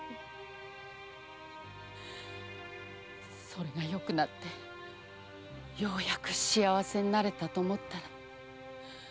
それが良くなってようやく幸せになれたと思ったらまた労咳だ。